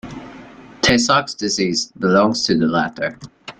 Tay-Sachs disease belongs to the latter.